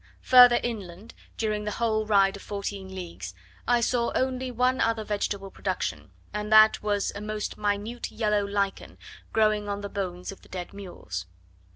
Further inland, during the whole ride of fourteen leagues, I saw only one other vegetable production, and that was a most minute yellow lichen, growing on the bones of the dead mules.